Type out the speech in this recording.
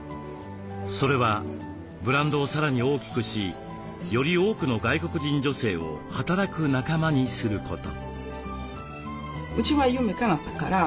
それはブランドをさらに大きくしより多くの外国人女性を働く仲間にすること。